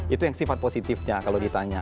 itu yang sifat positifnya kalau ditanya